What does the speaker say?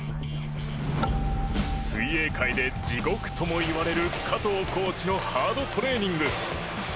水泳界で地獄ともいわれる加藤コーチのハードトレーニング。